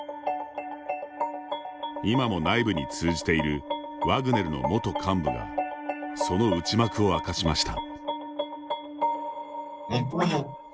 今も内部に通じているワグネルの元幹部がその内幕を明かしました。